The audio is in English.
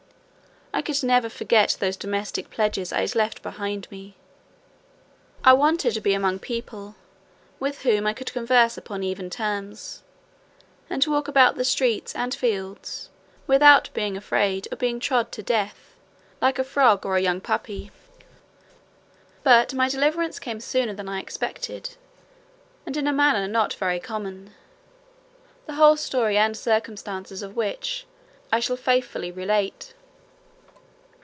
I could never forget those domestic pledges I had left behind me. I wanted to be among people, with whom I could converse upon even terms, and walk about the streets and fields without being afraid of being trod to death like a frog or a young puppy. But my deliverance came sooner than I expected, and in a manner not very common; the whole story and circumstances of which I shall faithfully relate.